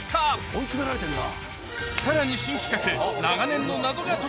追い詰められてるな。